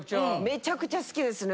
めちゃくちゃ好きですね。